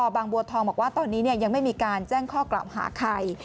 บางบัวทองบอกว่าตอนนี้ยังไม่มีการแจ้งข้อกล่าวหาใคร